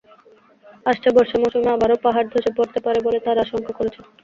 আসছে বর্ষা মৌসুমে আবারও পাহাড় ধসে পড়তে পারে বলে তাঁরা আশঙ্কা করছেন।